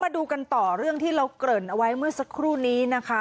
ดูกันต่อเรื่องที่เราเกริ่นเอาไว้เมื่อสักครู่นี้นะคะ